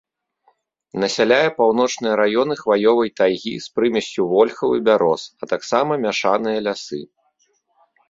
Насяляе паўночныя раёны хваёвай тайгі з прымессю вольхаў і бяроз, а таксама мяшаныя лясы.